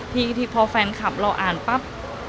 ที่พอแฟนคลับเราอ่านปั๊บ